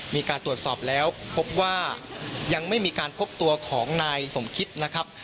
มีการตรวจสอบแล้วพบว่ายังไม่มีการพบตัวของนายสมคิดนะครับ